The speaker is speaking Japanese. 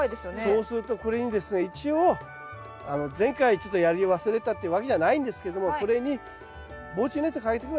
そうするとこれにですね一応前回ちょっとやり忘れたっていうわけじゃないんですけどもこれに防虫ネットかけとけば大丈夫です。